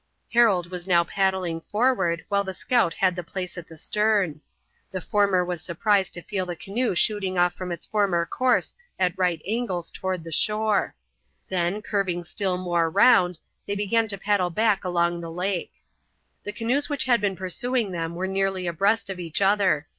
Harold was now paddling forward, while the scout had the place at the stern. The former was surprised to feel the canoe shooting off from its former course at right angles toward the shore; then, curving still more round, they began to paddle back along the lake. The canoes which had been pursuing them were nearly abreast of each other.